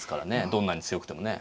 どんなに強くてもね。